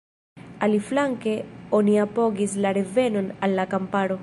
Aliflanke oni apogis “la revenon al la kamparo”.